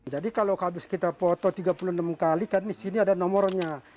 jadi kalau habis kita foto tiga puluh enam kali kan di sini ada nomornya